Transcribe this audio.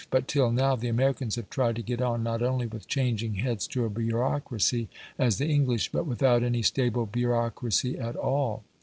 But till now the Americans have tried to get on not only with changing heads to a bureaucracy, as the English, but without any stable bureaucracy at all.